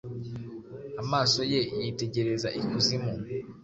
Amaso ye yitegereza ikuzimu,